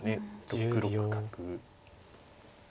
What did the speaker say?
６六角。